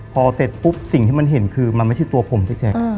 พอเสร็จปุ๊บสิ่งที่มันเห็นคือมันไม่ใช่ตัวผมพี่แจ๊ค